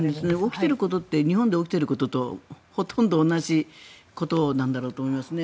起きていることって日本で起きていることとほとんど同じことなんだろうと思うんですね。